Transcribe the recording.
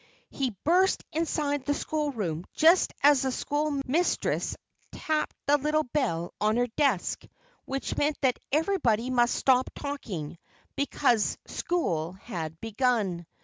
He burst inside the schoolroom just as the school mistress tapped the little bell on her desk, which meant that everybody must stop talking, because school had begun.